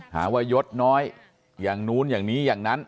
หาว่ายศน้อยอย่างนู้นอย่างนี้อย่างนั้น